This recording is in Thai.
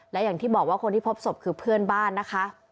และอย่างที่บอกว่าคนที่พบศพคือเพื่อนบ้านนะคะ